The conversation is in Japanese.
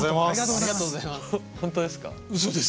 ありがとうございます。